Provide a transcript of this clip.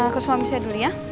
ke suami saya dulunya